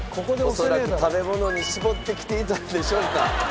恐らく食べ物に絞ってきているんじゃないでしょうか？